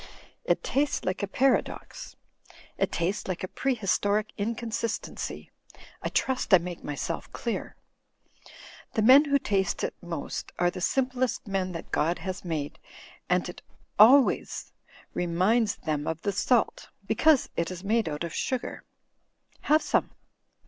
It tastes like a paradox. It tastes like a prehistoric inconsistency — I trust I make myself clear. The men who taste it most are the simplest men that God has made, and it always re* uiymzeu uy ^j v^'*^^ iL 238 THE FLYING INN minds them of the salt, because it is made out of sugar. Have some!"